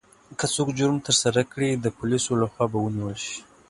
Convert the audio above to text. که څوک جرم ترسره کړي، د پولیسو لخوا به ونیول شي.